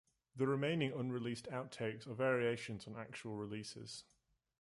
The remaining unreleased out-takes are variations on actual releases.